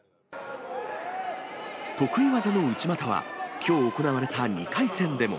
得意技の内股は、きょう行われた２回戦でも。